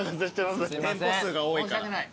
店舗数が多いから。